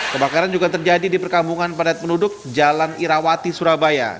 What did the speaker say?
kebakaran juga terjadi di perkampungan padat penduduk jalan irawati surabaya